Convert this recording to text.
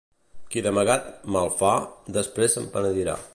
Qui d'amagat mal fa, després se'n penedirà.